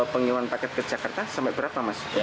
pengiluman paket ke jakarta sampai berapa mas